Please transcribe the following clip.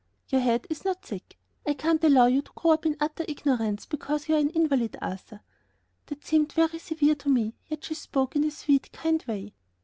"Your head is not sick. I can't allow you to grow up in utter ignorance because you're an invalid, Arthur." That seemed very severe to me, yet she spoke in a sweet, kind way.